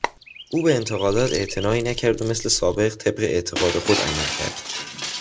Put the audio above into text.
او به انتقادات اعتنایی نکرد و مثل سابق طبق اعتقاد خود عمل کرد.